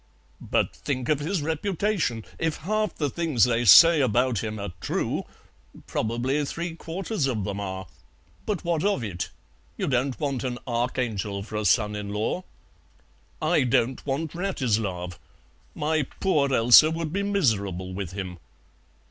"But think of his reputation! If half the things they say about him are true " "Probably three quarters of them are. But what of it? You don't want an archangel for a son in law." "I don't want Wratislav. My poor Elsa would be miserable with him."